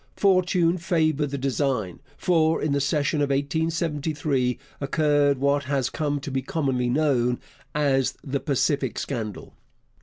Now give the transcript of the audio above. Fortune favoured the design, for in the session of 1873 occurred what has come to be commonly known as the 'Pacific Scandal.'